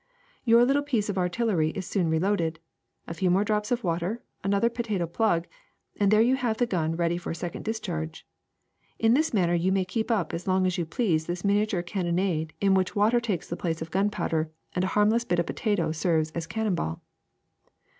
*' Your little piece of artillery is soon reloaded. A few more drops of water, another potato plug, and there you have the gun ready for a second discharge. In this manner you may keep up as long as you please this miniature cannonade in which water takes the place of gunpowder and a harmless bit of po tato serves as cannon ball.